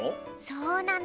そうなの。